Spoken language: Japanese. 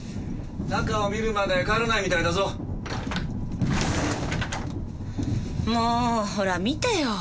中を見るまで帰らないみたいだぞ。もほら見てよ。